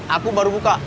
aku baru buka